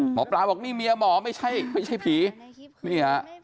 หมอปลาบอกนี่เมียหมอไม่ใช่ผี